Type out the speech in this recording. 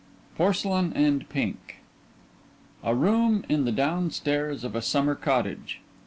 PORCELAIN AND PINK _A room in the down stairs of a summer cottage.